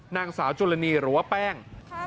นางสาวจุลณีหรือว่าแป้ง